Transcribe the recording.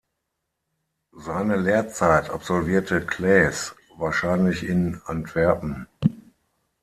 Seine Lehrzeit absolvierte Claesz wahrscheinlich in Antwerpen.